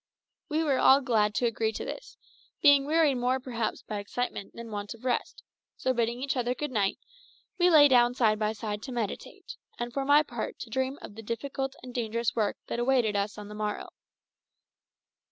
We were all glad to agree to this, being wearied more perhaps by excitement than want of rest; so bidding each other good night, we lay down side by side to meditate, and for my part to dream of the difficult and dangerous work that awaited us on the morrow.